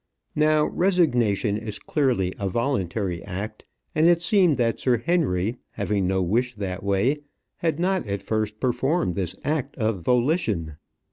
Now resignation is clearly a voluntary act, and it seemed that Sir Henry, having no wish that way, had not at first performed this act of volition.